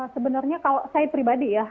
sebenarnya kalau saya pribadi ya